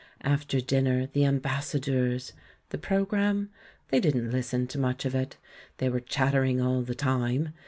After dinner, the Ambassadeurs ! The programme? They didn't listen to much of it, they were chattering <ill the time.